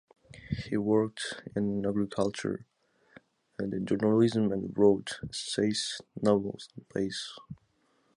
He worked in agriculture and in journalism and wrote essays, novels and plays.